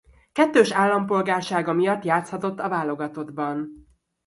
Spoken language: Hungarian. Kettős állampolgársága miatt játszhatott a válogatottban.